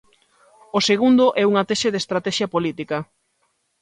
O segundo é unha tese de estratexia política.